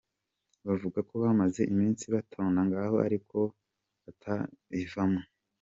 Bavuga ko bamaze imisi batonda ngaho ariko ko ata kivamwo.